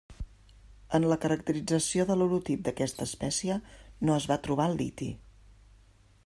En la caracterització de l'holotip d'aquesta espècie, no es va trobar el liti.